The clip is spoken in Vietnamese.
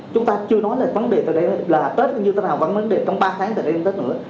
chúng ta chưa nói là tết như thế nào vẫn vấn đề trong ba tháng từ đây đến tết nữa